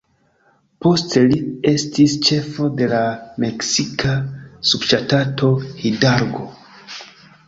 Poste li estis ĉefo de la meksika subŝtato Hidalgo.